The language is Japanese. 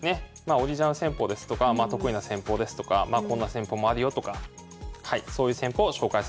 オリジナル戦法ですとか得意な戦法ですとかこんな戦法もあるよとかそういう戦法を紹介させていただきます。